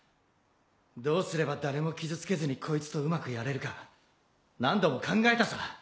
どうすれば誰も傷つけずにこいつとうまくやれるか何度も考えたさ。